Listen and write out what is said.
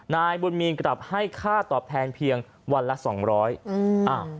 นายบุญมีร์กลับให้ค่าตอบแทนเพียงวันละ๒๐๐บาท